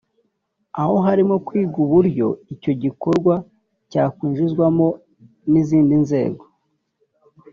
aho harimo kwigwa uburyo icyo gikorwa cyakwinjizwamo n’izindi nzego